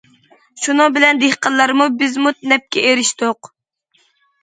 شۇنىڭ بىلەن دېھقانلارمۇ، بىزمۇ نەپكە ئېرىشتۇق.